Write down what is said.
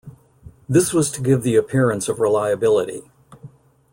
This was to give the appearance of reliability.